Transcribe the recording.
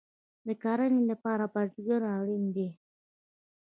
د کرنې لپاره بزګر اړین دی